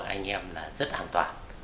anh em là rất an toàn